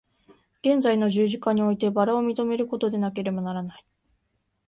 現在の十字架において薔薇を認めることでなければならない。